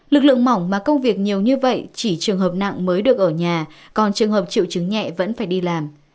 lực lượng mỏng mà công việc nhiều như vậy chỉ trường hợp nặng mới được ở nhà còn trường hợp triệu chứng nhẹ vẫn phải đi làm